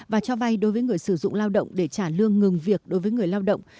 và cho vay đối với người sử dụng lao động để trả lương ngừng việc đối với người lao động